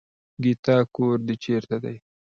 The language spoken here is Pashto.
ګيتا کور دې چېرته دی.